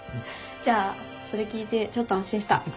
じゃあそれ聞いてちょっと安心した。